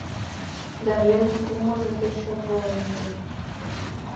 Да рвезын кумылжо пеш чот волен ыле.